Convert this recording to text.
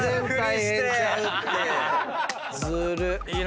ずるっ！